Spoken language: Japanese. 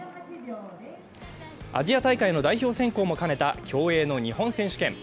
アジア大会の代表選考も兼ねた競泳の日本選手権。